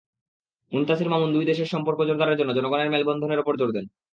মুনতাসীর মামুন দুই দেশের সম্পর্ক জোরদারের জন্য জনগণের মেলবন্ধনের ওপর জোর দেন।